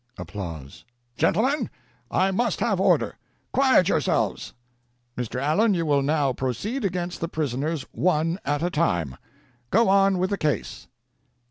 "Gentlemen, I must have order! quiet yourselves! Mr. Allen, you will now proceed against the prisoners one at a time. Go on with the case."